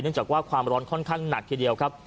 จากว่าความร้อนค่อนข้างหนักทีเดียวครับ